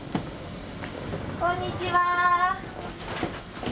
こんにちは。